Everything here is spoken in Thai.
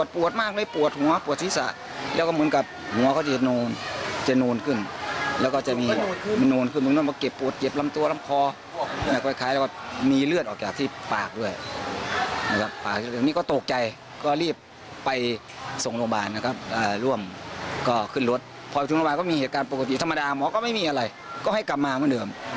พรทุนวาห์ก็มีเหตุการณ์ปกติธรรมานาหนาว้าวเหมือนก็ไม่มีอะไรก็ให้กลับมาเมื่อเนื่อง